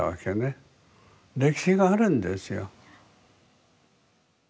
歴史があるんですよ。